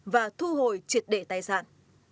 và thu hồi triệt để tài sản